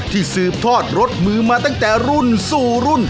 สืบทอดรสมือมาตั้งแต่รุ่นสู่รุ่น